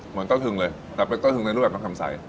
เหมือนเต่าถึงเลยแต่เป็นเต้าถึงในร๊วบเข้าข้ำใส